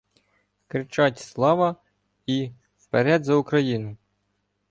Кричать "Слава!" і "Вперед, за Україну!".